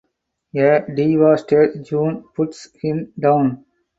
A devastated June puts him down.